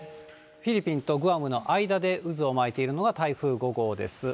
フィリピンとグアムの間で渦を巻いているのが台風５号です。